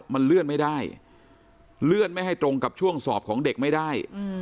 มันเลื่อนไม่ได้เลื่อนไม่ให้ตรงกับช่วงสอบของเด็กไม่ได้